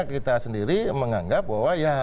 kita sendiri menganggap bahwa